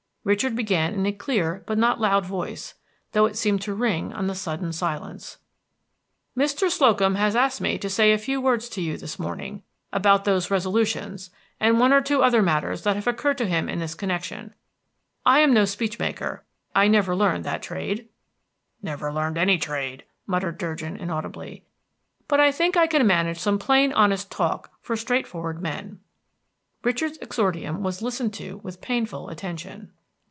Richard began in a clear but not loud voice, though it seemed to ring on the sudden silence: "Mr. Slocum has asked me to say a few words to you, this morning, about those resolutions, and one or two other matters that have occurred to him in this connection. I am no speech maker; I never learned that trade" "Never learned any trade," muttered Durgin, inaudibly. "but I think I can manage some plain, honest talk, for straight forward men." Richard's exordium was listened to with painful attention.